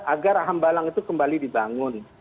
agar hambalang itu kembali dibangun